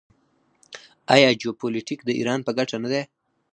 آیا جیوپولیټیک د ایران په ګټه نه دی؟